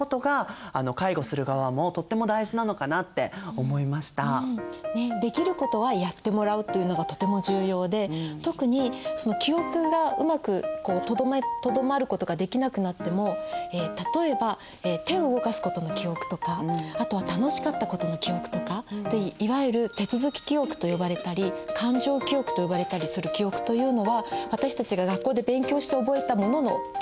おじいちゃんたちもできることはやってもらうっていうのがとても重要で特に記憶がうまくとどまることができなくなっても例えば手を動かすことの記憶とかあとは楽しかったことの記憶とかいわゆる手続き記憶と呼ばれたり感情記憶と呼ばれたりする記憶というのは私たちが学校で勉強して覚えたものの記憶よりもうんと残るんです。